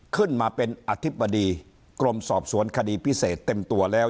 ขึ้นมาเป็นอธิบดีกรมสอบสวนคดีพิเศษเต็มตัวแล้ว